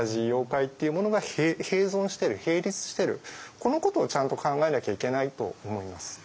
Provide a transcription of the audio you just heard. このことをちゃんと考えなきゃいけないと思います。